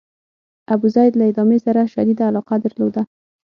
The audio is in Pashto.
ابوزید له ادامې سره شدیده علاقه درلوده.